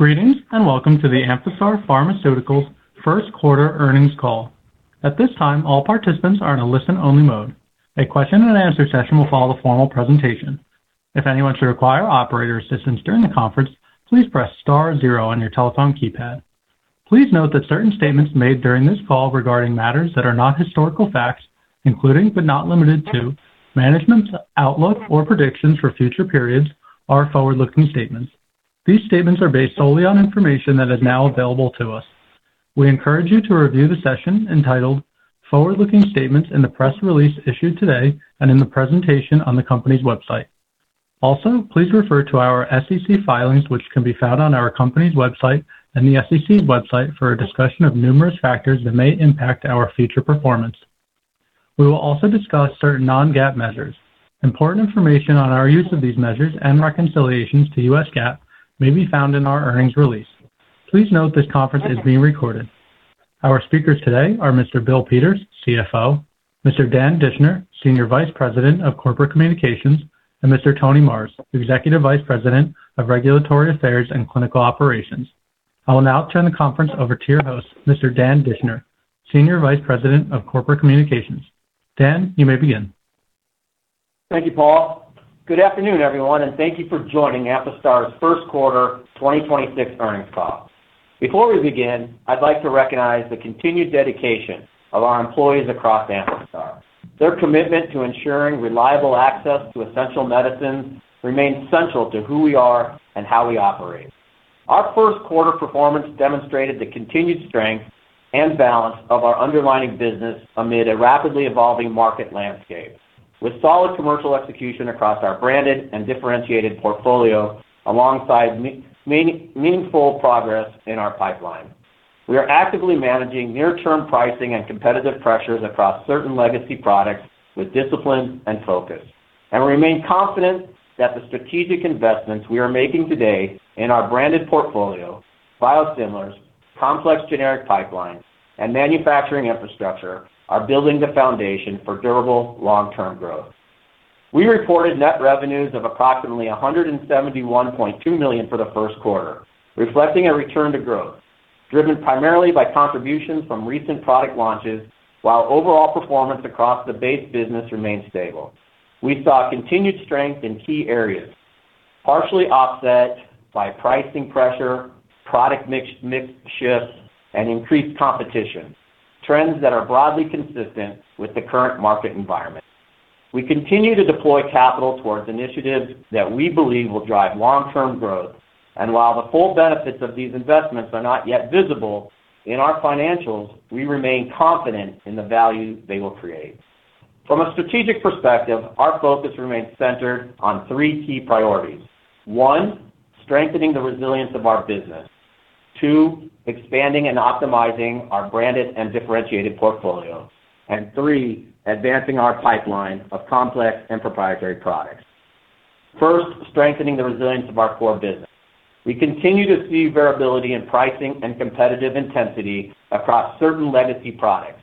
Greetings and welcome to the Amphastar Pharmaceuticals First Quarter Earnings Call. Please note that certain statements made during this call regarding matters that are not historical facts, including but not limited to management's outlook or predictions for future periods, are forward-looking statements. These statements are based solely on information that is now available to us. We encourage you to review the session entitled forward-looking statements in the press release issued today and in the presentation on the company's website. Also, please refer to our SEC filings, which can be found on our company's website and the SEC website for a discussion of numerous factors that may impact our future performance. We will also discuss certain non-GAAP measures. Important information on our use of these measures and reconciliations to U.S. GAAP may be found in our earnings release. Please note this conference is being recorded. Our speakers today are Mr. Bill Peters, CFO, Mr. Dan Dischner, Senior Vice President of Corporate Communications, and Mr. Tony Marrs, Executive Vice President of Regulatory Affairs and Clinical Operations. I will now turn the conference over to your host, Mr. Dan Dischner, Senior Vice President of Corporate Communications. Dan, you may begin. Thank you, Paul. Good afternoon, everyone, and thank you for joining Amphastar's first quarter 2026 earnings call. Before we begin, I'd like to recognize the continued dedication of our employees across Amphastar. Their commitment to ensuring reliable access to essential medicines remains central to who we are and how we operate. Our first quarter performance demonstrated the continued strength and balance of our underlying business amid a rapidly evolving market landscape. With solid commercial execution across our branded and differentiated portfolio, alongside meaningful progress in our pipeline. We are actively managing near-term pricing and competitive pressures across certain legacy products with discipline and focus, and we remain confident that the strategic investments we are making today in our branded portfolio, biosimilars, complex generic pipelines, and manufacturing infrastructure are building the foundation for durable long-term growth. We reported net revenues of approximately $171.2 million for the first quarter, reflecting a return to growth, driven primarily by contributions from recent product launches, while overall performance across the base business remained stable. We saw continued strength in key areas, partially offset by pricing pressure, product mix shifts, and increased competition, trends that are broadly consistent with the current market environment. We continue to deploy capital towards initiatives that we believe will drive long-term growth. While the full benefits of these investments are not yet visible in our financials, we remain confident in the value they will create. From a strategic perspective, our focus remains centered on three key priorities. One, strengthening the resilience of our business. Two, expanding and optimizing our branded and differentiated portfolio. Three, advancing our pipeline of complex and proprietary products. First, strengthening the resilience of our core business. We continue to see variability in pricing and competitive intensity across certain legacy products.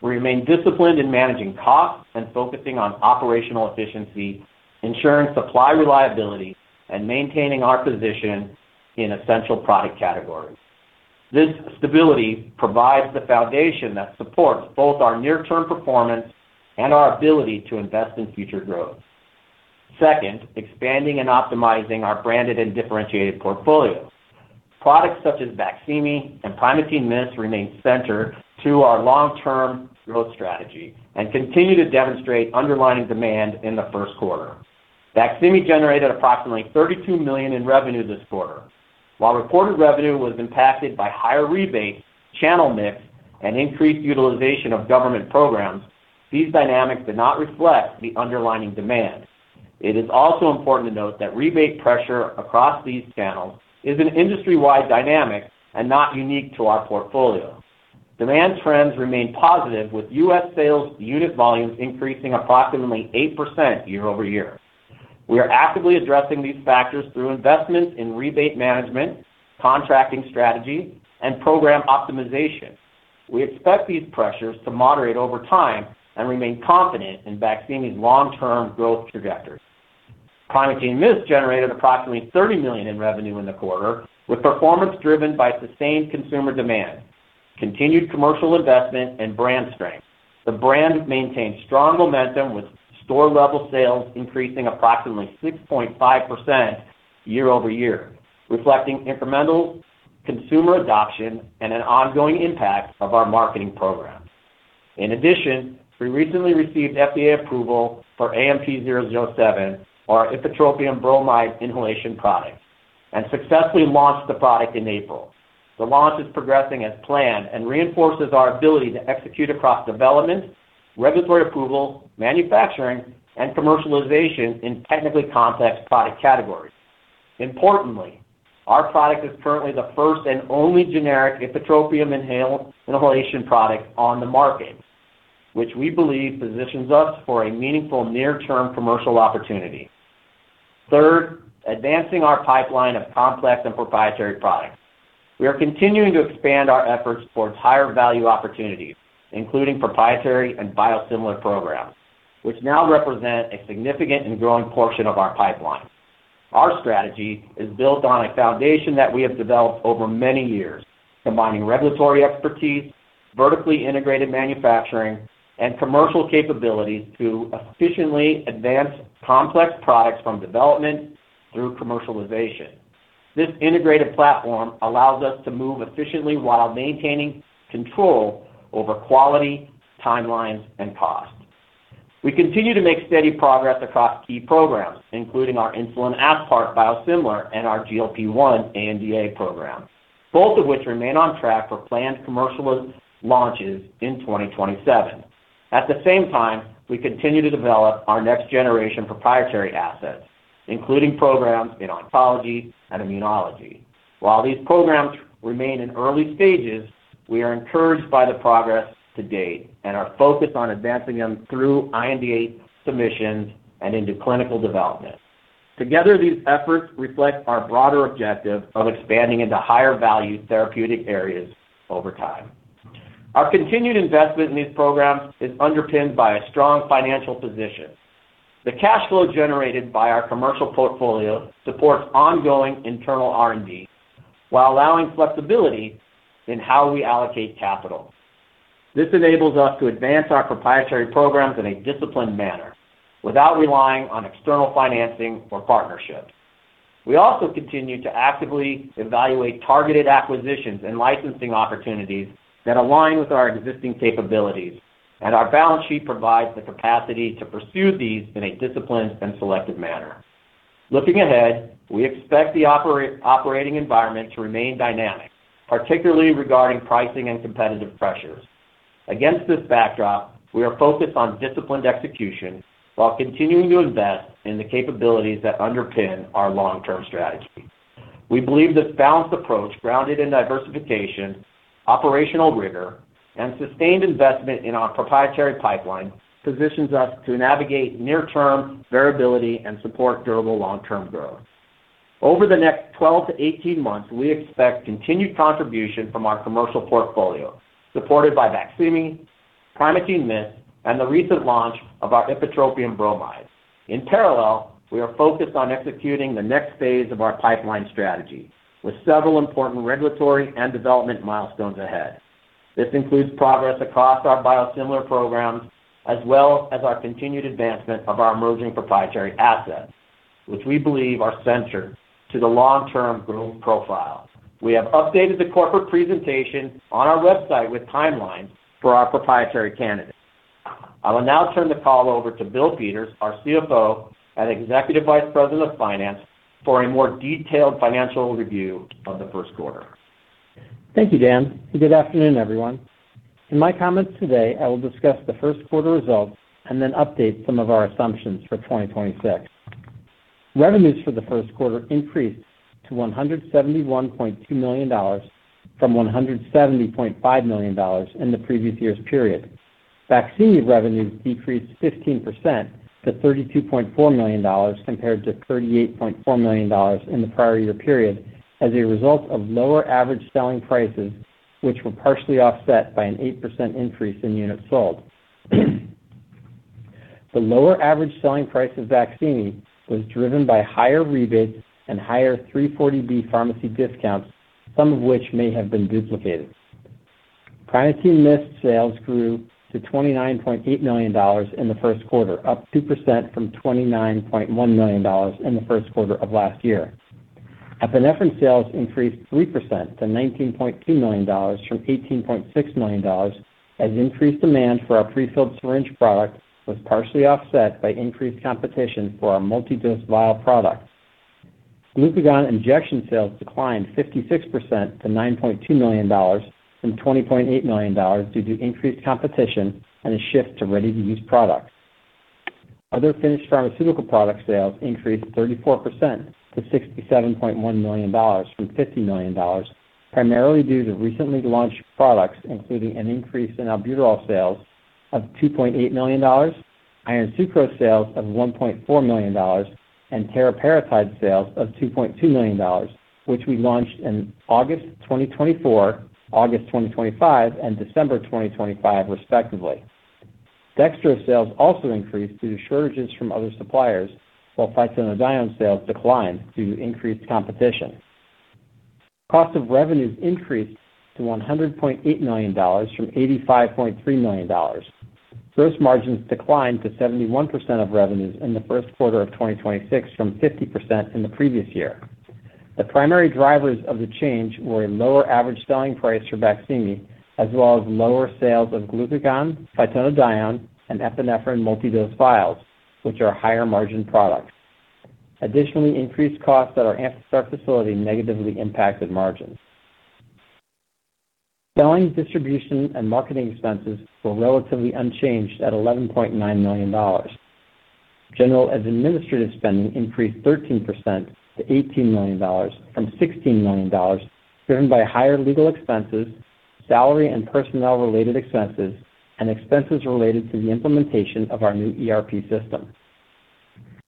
We remain disciplined in managing costs and focusing on operational efficiency, ensuring supply reliability, and maintaining our position in essential product categories. This stability provides the foundation that supports both our near-term performance and our ability to invest in future growth. Second, expanding and optimizing our branded and differentiated portfolio. Products such as BAQSIMI and Primatene MIST remain center to our long-term growth strategy and continue to demonstrate underlying demand in the first quarter. BAQSIMI generated approximately $32 million in revenue this quarter. While reported revenue was impacted by higher rebates, channel mix, and increased utilization of government programs, these dynamics did not reflect the underlying demand. It is also important to note that rebate pressure across these channels is an industry-wide dynamic and not unique to our portfolio. Demand trends remain positive, with U.S. sales unit volumes increasing approximately 8% year-over-year. We are actively addressing these factors through investments in rebate management, contracting strategy, and program optimization. We expect these pressures to moderate over time and remain confident in BAQSIMI's long-term growth trajectory. Primatene MIST generated approximately $30 million in revenue in the quarter, with performance driven by sustained consumer demand, continued commercial investment, and brand strength. The brand maintained strong momentum, with store-level sales increasing approximately 6.5% year-over-year, reflecting incremental consumer adoption and an ongoing impact of our marketing programs. We recently received FDA approval for AMP-007, our ipratropium bromide inhalation product, and successfully launched the product in April. The launch is progressing as planned and reinforces our ability to execute across development, regulatory approval, manufacturing, and commercialization in technically complex product categories. Importantly, our product is currently the first and only generic ipratropium inhalation product on the market, which we believe positions us for a meaningful near-term commercial opportunity. Third, advancing our pipeline of complex and proprietary products. We are continuing to expand our efforts towards higher value opportunities, including proprietary and biosimilar programs, which now represent a significant and growing portion of our pipeline. Our strategy is built on a foundation that we have developed over many years, combining regulatory expertise, vertically integrated manufacturing, and commercial capabilities to efficiently advance complex products from development through commercialization. This integrated platform allows us to move efficiently while maintaining control over quality, timelines, and cost. We continue to make steady progress across key programs, including our insulin aspart biosimilar and our GLP-1 ANDA program, both of which remain on track for planned commercial launches in 2027. At the same time, we continue to develop our next-generation proprietary assets, including programs in oncology and immunology. While these programs remain in early stages, we are encouraged by the progress to date and are focused on advancing them through IND submissions and into clinical development. Together, these efforts reflect our broader objective of expanding into higher-value therapeutic areas over time. Our continued investment in these programs is underpinned by a strong financial position. The cash flow generated by our commercial portfolio supports ongoing internal R&D while allowing flexibility in how we allocate capital. This enables us to advance our proprietary programs in a disciplined manner without relying on external financing or partnerships. We also continue to actively evaluate targeted acquisitions and licensing opportunities that align with our existing capabilities, and our balance sheet provides the capacity to pursue these in a disciplined and selective manner. Looking ahead, we expect the operating environment to remain dynamic, particularly regarding pricing and competitive pressures. Against this backdrop, we are focused on disciplined execution while continuing to invest in the capabilities that underpin our long-term strategy. We believe this balanced approach, grounded in diversification, operational rigor, and sustained investment in our proprietary pipeline, positions us to navigate near-term variability and support durable long-term growth. Over the next 12-18 months, we expect continued contribution from our commercial portfolio, supported by BAQSIMI, Primatene MIST, and the recent launch of our ipratropium bromide. In parallel, we are focused on executing the next phase of our pipeline strategy with several important regulatory and development milestones ahead. This includes progress across our biosimilar programs as well as our continued advancement of our emerging proprietary assets, which we believe are centered to the long-term growth profile. We have updated the corporate presentation on our website with timelines for our proprietary candidates. I will now turn the call over to Bill Peters, our CFO and Executive Vice President of Finance, for a more detailed financial review of the first quarter. Thank you, Dan. Good afternoon, everyone. In my comments today, I will discuss the first quarter results and then update some of our assumptions for 2026. Revenues for the first quarter increased to $171.2 million from $170.5 million in the previous year's period. BAQSIMI revenues decreased 15% to $32.4 million compared to $38.4 million in the prior year period as a result of lower average selling prices, which were partially offset by an 8% increase in units sold. The lower average selling price of BAQSIMI was driven by higher rebates and higher 340B pharmacy discounts, some of which may have been duplicated. Primatene MIST sales grew to $29.8 million in the first quarter, up 2% from $29.1 million in the first quarter of last year. epinephrine sales increased 3% to $19.2 million from $18.6 million as increased demand for our prefilled syringe product was partially offset by increased competition for our multidose vial products. Glucagon injection sales declined 56% to $9.2 million from $20.8 million due to increased competition and a shift to ready-to-use products. Other finished pharmaceutical product sales increased 34% to $67.1 million from $50 million, primarily due to recently launched products, including an increase in albuterol sales of $2.8 million, iron sucrose sales of $1.4 million, and teriparatide sales of $2.2 million, which we launched in August 2024, August 2025, and December 2025, respectively. dextrose sales also increased due to shortages from other suppliers while phytonadione sales declined due to increased competition. Cost of revenues increased to $100.8 million from $85.3 million. Gross margins declined to 71% of revenues in the first quarter of 2026 from 50% in the previous year. The primary drivers of the change were a lower average selling price for BAQSIMI, as well as lower sales of glucagon, phytonadione, and epinephrine multidose vials, which are higher-margin products. Additionally, increased costs at our Amphastar facility negatively impacted margins. Selling, distribution, and marketing expenses were relatively unchanged at $11.9 million. General and administrative spending increased 13% to $18 million from $16 million driven by higher legal expenses, salary and personnel-related expenses, and expenses related to the implementation of our new ERP system.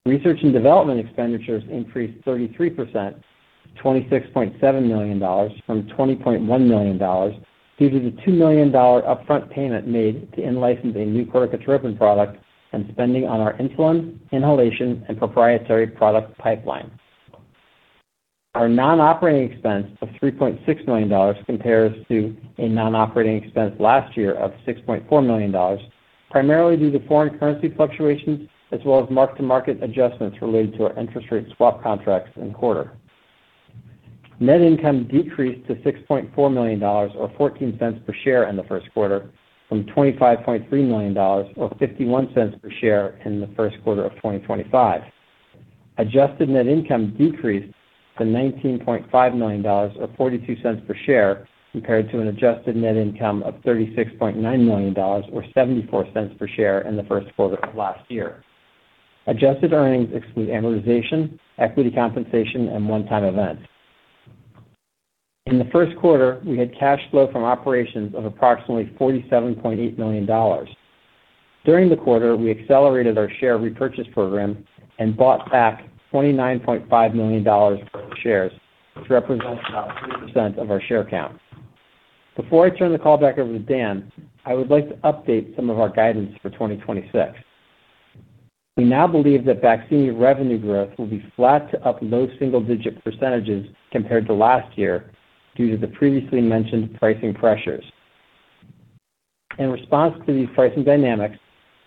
Research and development expenditures increased 33% to $26.7 million from $20.1 million due to the $2 million upfront payment made to in-license a new corticotropin product and spending on our insulin, inhalation, and proprietary product pipeline. Our non-operating expense of $3.6 million compares to a non-operating expense last year of $6.4 million, primarily due to foreign currency fluctuations as well as mark-to-market adjustments related to our interest rate swap contracts in the quarter. Net income decreased to $6.4 million or $0.14 per share in the first quarter from $25.3 million or $0.51 per share in the first quarter of 2025. Adjusted net income decreased to $19.5 million or $0.42 per share compared to an adjusted net income of $36.9 million or $0.74 per share in the first quarter of last year. Adjusted earnings exclude amortization, equity compensation, and one-time events. In the first quarter, we had cash flow from operations of approximately $47.8 million. During the quarter, we accelerated our share repurchase program and bought back $29.5 million worth of shares, which represents about 3% of our share count. Before I turn the call back over to Dan, I would like to update some of our guidance for 2026. We now believe that BAQSIMI revenue growth will be flat to up low single-digit percentages compared to last year due to the previously mentioned pricing pressures. In response to these pricing dynamics,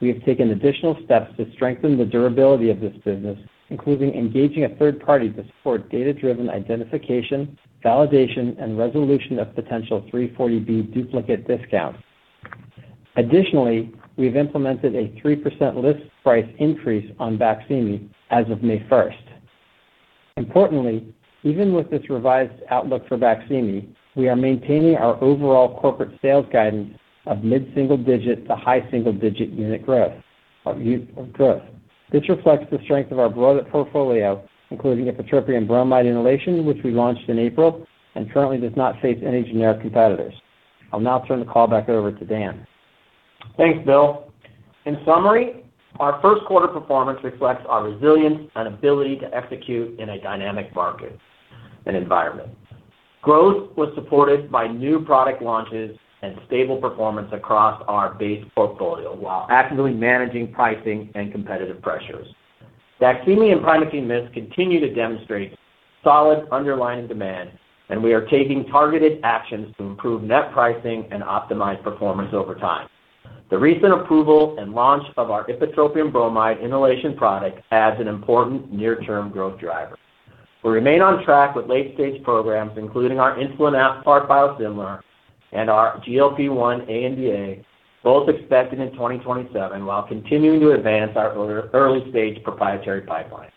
we have taken additional steps to strengthen the durability of this business, including engaging a third party to support data-driven identification, validation, and resolution of potential 340B duplicate discounts. Additionally, we've implemented a 3% list price increase on BAQSIMI as of May 1st. Importantly, even with this revised outlook for BAQSIMI, we are maintaining our overall corporate sales guidance of mid-single digit to high single-digit unit growth. This reflects the strength of our broader portfolio, including ipratropium bromide inhalation, which we launched in April and currently does not face any generic competitors. I'll now turn the call back over to Dan. Thanks, Bill. In summary, our first quarter performance reflects our resilience and ability to execute in a dynamic market and environment. Growth was supported by new product launches and stable performance across our base portfolio while actively managing pricing and competitive pressures. BAQSIMI and Primatene MIST continue to demonstrate solid underlying demand, and we are taking targeted actions to improve net pricing and optimize performance over time. The recent approval and launch of our ipratropium bromide inhalation product adds an important near-term growth driver. We remain on track with late-stage programs, including our insulin aspart biosimilar and our GLP-1 ANDA, both expected in 2027, while continuing to advance our early-stage proprietary pipeline.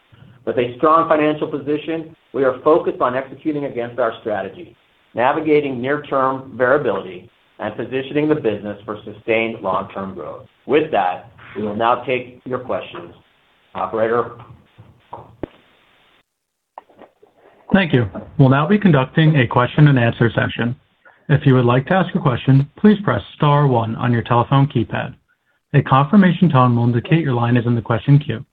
With a strong financial position, we are focused on executing against our strategy, navigating near-term variability, and positioning the business for sustained long-term growth. With that, we will now take your questions. Operator? Thank you. We'll now be conducting a question-and-answer session. If you would like to ask a question, please press star one on your telephone keypad. A confirmation tone will indicate your line is in the question queue.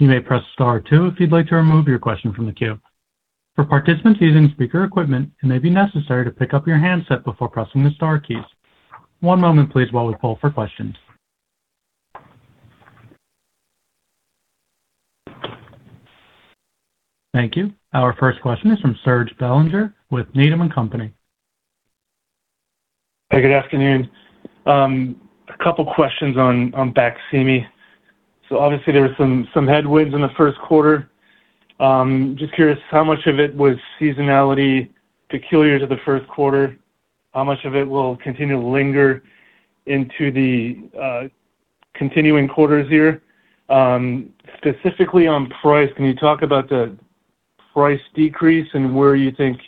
You may press star two if you'd like to remove your question from the queue. For participants using speaker equipment, may be necessary to pick up your handset before pressing the star key. One moment, please, while we call for questions. Thank you. Our first question is from Serge Belanger with Needham & Company. Hey, good afternoon. A couple questions on BAQSIMI. Obviously, there were some headwinds in the first quarter. Just curious how much of it was seasonality peculiar to the first quarter? How much of it will continue to linger into the continuing quarters here? Specifically on price, can you talk about the price decrease and where you think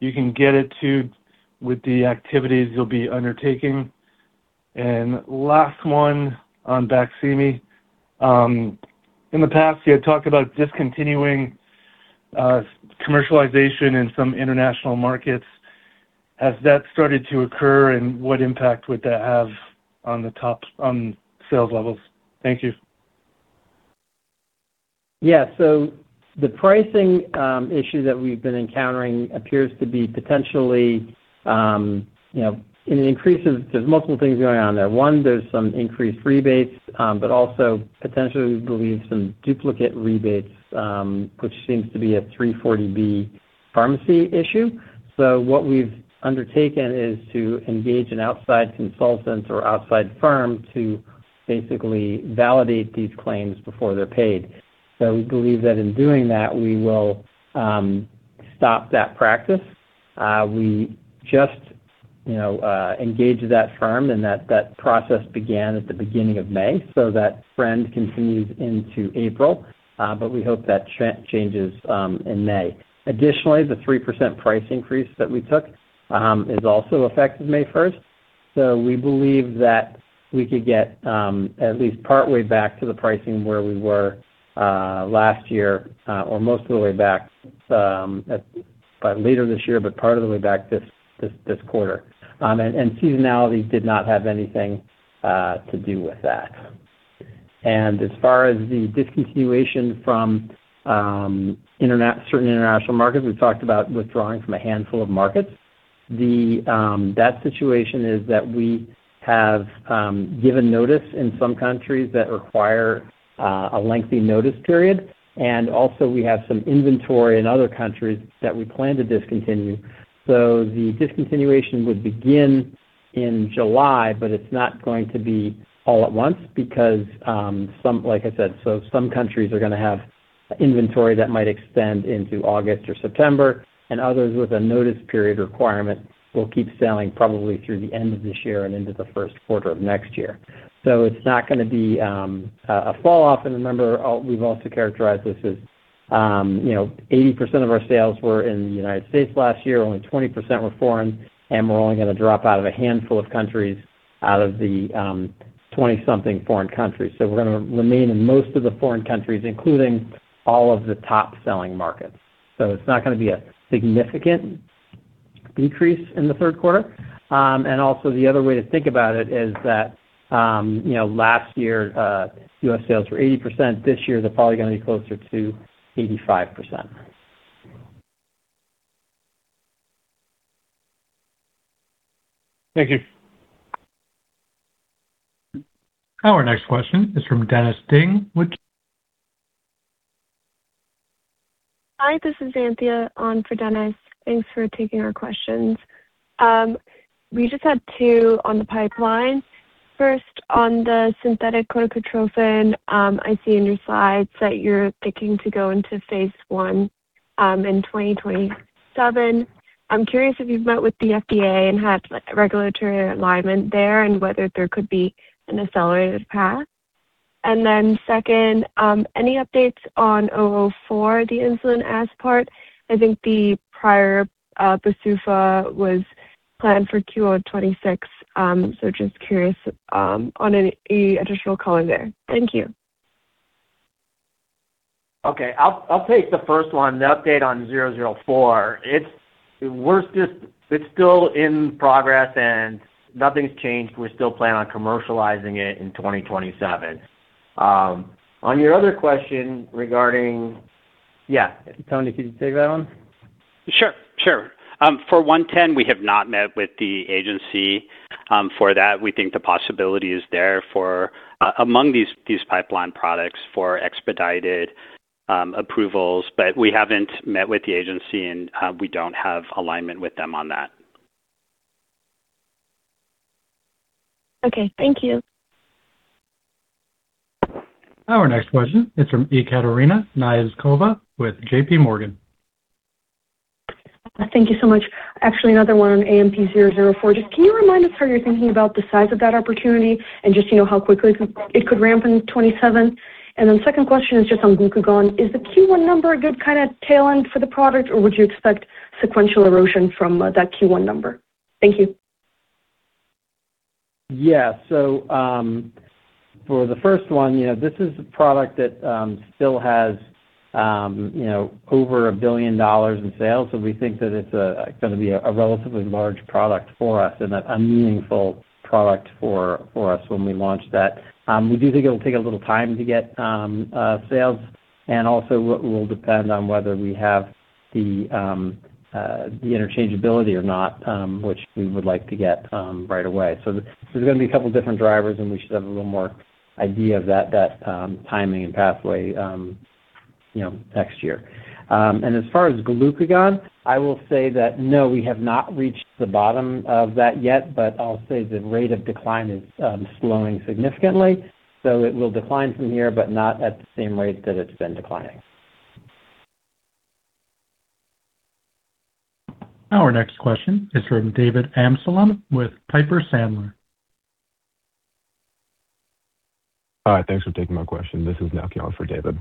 you can get it to with the activities you'll be undertaking? Last one on BAQSIMI. In the past, you had talked about discontinuing commercialization in some international markets. Has that started to occur, and what impact would that have on sales levels? Thank you. The pricing issue that we've been encountering appears to be potentially, you know, there's multiple things going on there. One, there's some increased rebates, but also potentially, we believe some duplicate rebates, which seems to be a 340B pharmacy issue. What we've undertaken is to engage an outside consultant or outside firm to basically validate these claims before they're paid. We believe that in doing that, we will stop that practice. We just, you know, engaged that firm and that process began at the beginning of May. That trend continues into April, but we hope that changes in May. Additionally, the 3% price increase that we took is also effective May 1st. We believe that we could get at least partway back to the pricing where we were last year, or most of the way back by later this year, but part of the way back this quarter. Seasonality did not have anything to do with that. As far as the discontinuation from certain international markets, we've talked about withdrawing from a handful of markets. That situation is that we have given notice in some countries that require a lengthy notice period. Also we have some inventory in other countries that we plan to discontinue. The discontinuation would begin in July, but it's not going to be all at once because some, like I said, some countries are going to have inventory that might extend into August or September, and others with a notice period requirement will keep selling probably through the end of this year and into the first quarter of next year. It's not going to be a fall off. Remember, we've also characterized this as, you know, 80% of our sales were in the United States last year, only 20% were foreign, and we're only going to drop out of a handful of countries out of the 20-something foreign countries. We're going to remain in most of the foreign countries, including all of the top-selling markets. It's not going to be a significant decrease in the third quarter. Also the other way to think about it is that, you know, last year, U.S. sales were 80%. This year, they're probably gonna be closer to 85%. Thank you. Our next question is from Dennis Ding. Hi, this is Anthea on for Dennis. Thanks for taking our questions. We just had two on the pipeline. First, on the synthetic corticotropin, I see in your slides that you're thinking to go into phase I in 2027. I'm curious if you've met with the FDA and had, like, regulatory alignment there, and whether there could be an accelerated path. Then second, any updates on AMP-004, the insulin aspart? I think the prior PDUFA was planned for Q4 2026, just curious on any additional color there. Thank you. I'll take the first one, the update on AMP-004. It's still in progress and nothing's changed. We still plan on commercializing it in 2027. On your other question regarding Tony, can you take that one? Sure. For AMP-110, we have not met with the agency for that. We think the possibility is there for among these pipeline products for expedited approvals. We haven't met with the agency and we don't have alignment with them on that. Okay. Thank you. Our next question is from Ekaterina Knyazkova with JPMorgan. Thank you so much. Actually, another one on AMP-004. Just can you remind us how you're thinking about the size of that opportunity and just, you know, how quickly it could ramp in 2027? Second question is just on glucagon. Is the Q1 number a good kind of tail end for the product, or would you expect sequential erosion from that Q1 number? Thank you. Yeah. For the first one, you know, this is a product that, you know, still has over $1 billion in sales. We think that it's gonna be a relatively large product for us and a meaningful product for us when we launch that. We do think it'll take a little time to get sales, and also will depend on whether we have the interchangeability or not, which we would like to get right away. There's gonna be a couple different drivers, and we should have a little more idea of that timing and pathway, you know, next year. And as far as glucagon, I will say that no, we have not reached the bottom of that yet. I'll say the rate of decline is slowing significantly. It will decline from here, but not at the same rate that it's been declining. Our next question is from David Amsellem with Piper Sandler. Thanks for taking my question. This is Nachi on for David.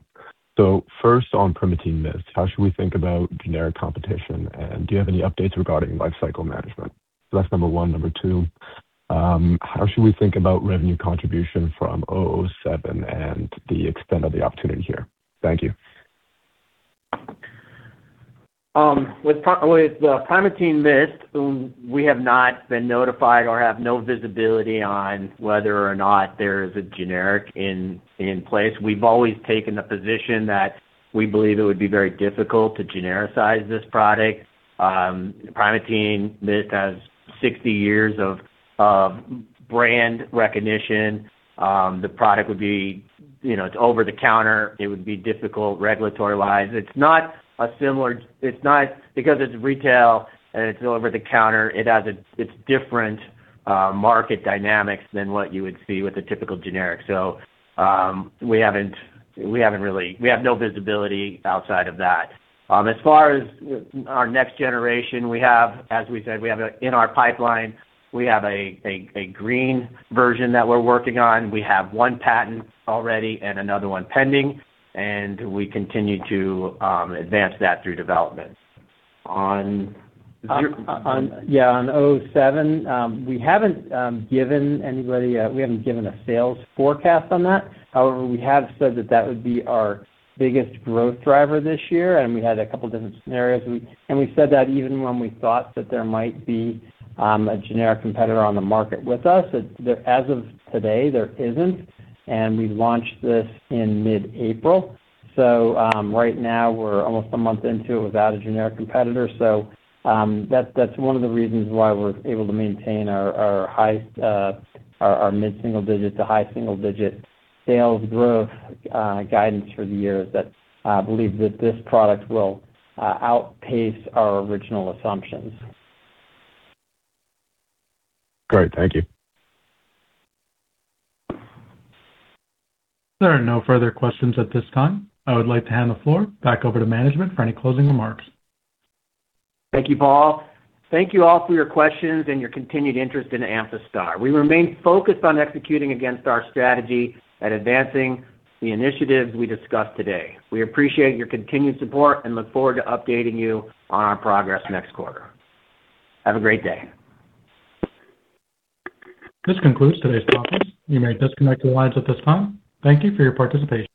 First on Primatene MIST, how should we think about generic competition, and do you have any updates regarding lifecycle management? That's number one. Number two, how should we think about revenue contribution from AMP-007 and the extent of the opportunity here? Thank you. With the Primatene MIST, we have not been notified or have no visibility on whether or not there is a generic in place. We've always taken the position that we believe it would be very difficult to genericize this product. Primatene MIST has 60 years of brand recognition. You know, it's over the counter. It would be difficult regulatory-wise. Because it's retail and it's over the counter, it has different market dynamics than what you would see with a typical generic. We haven't really. We have no visibility outside of that. As far as our next generation, we have, as we said, in our pipeline, we have a green version that we're working on. We have one patent already and another one pending, and we continue to advance that through development. On AMP-007, we haven't given a sales forecast on that. However, we have said that that would be our biggest growth driver this year, and we had a couple different scenarios. We said that even when we thought that there might be a generic competitor on the market with us. As of today, there isn't, and we launched this in mid-April. Right now we're almost a month into it without a generic competitor. That's one of the reasons why we're able to maintain our high mid-single digit to high-single digit sales growth guidance for the year is that believe that this product will outpace our original assumptions. Great. Thank you. There are no further questions at this time. I would like to hand the floor back over to management for any closing remarks. Thank you, Paul. Thank you all for your questions and your continued interest in Amphastar. We remain focused on executing against our strategy and advancing the initiatives we discussed today. We appreciate your continued support and look forward to updating you on our progress next quarter. Have a great day. This concludes today's conference. You may disconnect your lines at this time. Thank you for your participation.